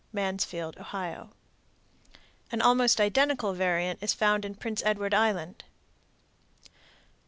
Mansfield, O. An almost identical variant is found in Prince Edward Island.